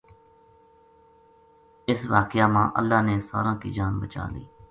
اس واقعہ ما اللہ نے ساراں کی جان بچا لئی